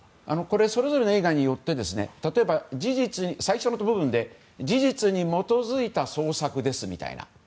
それぞれの映画によって最初の部分で事実に基づいた創作ですみたいな。